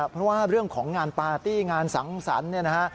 เพราะว่าเรื่องของงานปาร์ตี้งานสังสรรค์เนี่ยนะฮะ